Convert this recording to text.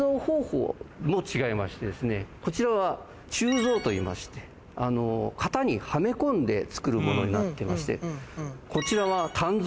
こちらは鋳造といいまして型にはめ込んでつくるものになってましてこちらは鍛造。